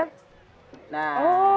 oh iya keluar